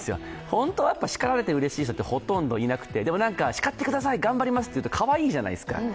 本当はしかられてうれしい人ってほとんどいなくてでも、叱ってください、頑張りますと言うとかわいいじゃないですか。